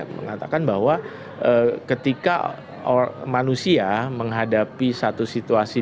mengatakan bahwa ketika manusia menghadapi satu situasi